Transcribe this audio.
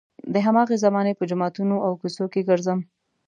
د هماغې زمانې په جوماتونو او کوڅو کې ګرځم.